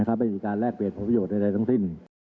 ไม่มีการแลกเปลี่ยนผลประโยชน์ใดทั้งสิ้น